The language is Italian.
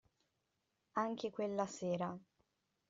Anche quella sera.